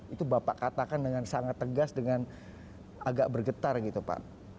itu bapak katakan dengan sangat tegas dengan agak bergetar gitu pak